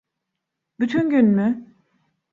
Bütün gün mü?